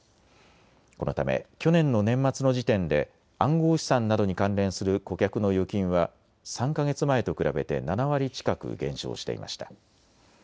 このため去年の年末の時点で暗号資産などに関連する顧客の預金は３か月前と比べて７割近く減少していました。